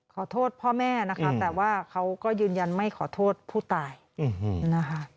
ขอโทษพ่อแม่นะคะแต่ว่าเขาก็ยืนยันไม่ขอโทษผู้ตายนะคะ